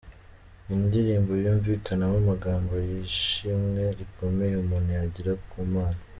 Ni indirimbo yumvikanamo amagambo y'ishimwe rikomeye umuntu yagira ku Mana.